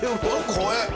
怖え！